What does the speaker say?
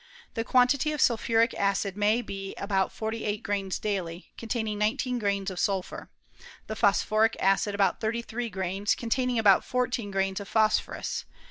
The quantity of sulphuric acid may be about forty eight grains daily, containing nineteen grains of sulphi The phosphoric acid about thirty three grains, co laining about fourteen grains of phosphorus.